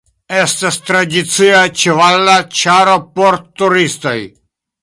Estas tradicia ĉevala ĉaro por turistoj.